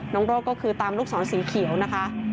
น้องโรดก็คือตามลูกสอนสีเขียวนะคะ